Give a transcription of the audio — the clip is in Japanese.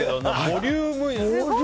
ボリューム。